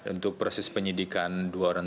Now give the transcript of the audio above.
untuk proses penyidikan dua orang